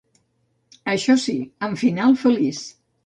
Això si, amb final feliç.